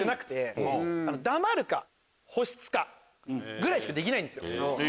ぐらいしかできないんですよ。